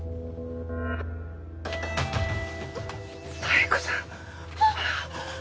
妙子さん！